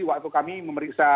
waktu kami memeriksa